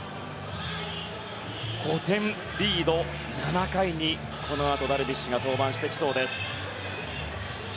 ５点リード、７回にこのあとダルビッシュが登板してきそうです。